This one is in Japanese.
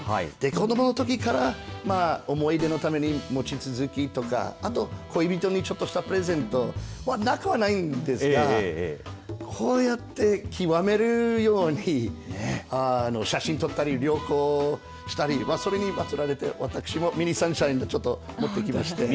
子どものときから思い出のためにもちつづきとかあと恋人にちょっとしたプレゼントなくはないんですがこうやって極めるように写真撮ったり旅行したり、それにつられて私もミニ三輝を持ってきました。